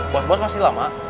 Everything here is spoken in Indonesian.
bos bos masih lama